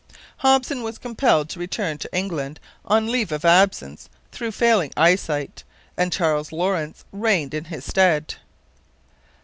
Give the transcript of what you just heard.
Hopson was compelled to return to England on leave of absence through failing eyesight, and Charles Lawrence reigned in his stead.